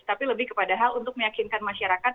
tapi lebih kepadahal untuk meyakinkan masyarakat